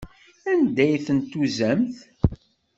Anda ay tent-tuzamt?